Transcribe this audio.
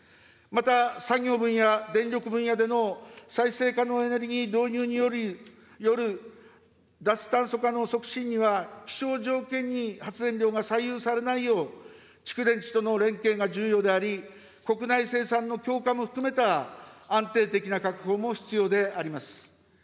また産業分野、電力分野での再生可能エネルギー導入による脱炭素化の促進には、気象条件に発電量が左右されないよう、蓄電池との連携が重要であり、国内生産の強化も含めた安定的な確保も必要であります。